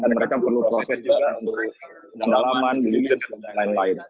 dan mereka perlu proses juga untuk pendalaman bisnis dan lain lain